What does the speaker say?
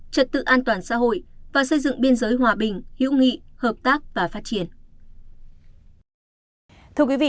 trật tự an toàn xã hội và xây dựng biên giới hòa bình hữu nghị hợp tác và phát triển